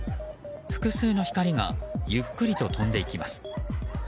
複数の光がゆっくりと飛んでいきます。